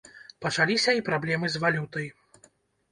Пачаліся і праблемы з валютай.